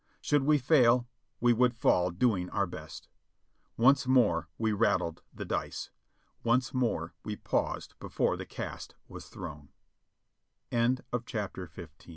Should we fail we would fall doing our best. Once more we rattled the dice ; once more we paused before the cast was th